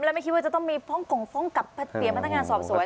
แล้วไม่คิดว่าจะต้องมีฟ้องกลงฟ้องกับพัดเปลี่ยนพัฒนาการสอบสวน